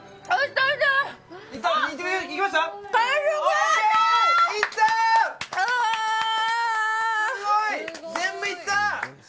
すごい！全部いった！